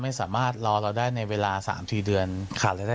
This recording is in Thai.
ไม่สามารถรอเราได้ในเวลา๓๔เดือนขาดแทนเต็มครับ